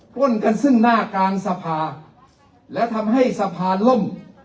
ปล้นกันซึ่งหน้ากลางสภาแล้วทำให้สะพานล่ม